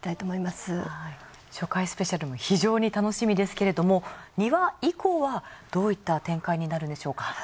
はい初回スペシャルも非常に楽しみですけれども２話以降はどういった展開になるんでしょうか？